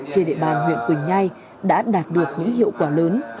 trên địa bàn huyện quỳnh nhai đã đạt được những hiệu quả lớn